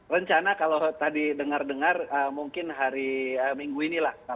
rencana kalau tadi dengar dengar mungkin hari minggu ini lah